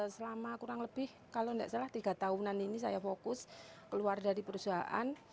selama kurang lebih kalau tidak salah tiga tahunan ini saya fokus keluar dari perusahaan